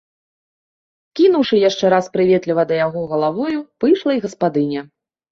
Кіўнуўшы яшчэ раз прыветліва да яго галавою, выйшла і гаспадыня.